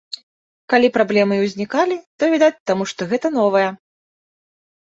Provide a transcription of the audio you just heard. Калі праблемы і ўзнікалі, то, відаць, таму што гэта новае.